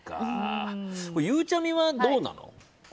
ゆうちゃみは、どうなの？